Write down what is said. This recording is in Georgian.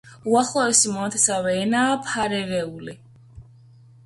უახლოესი მონათესავე ენაა ფარერული.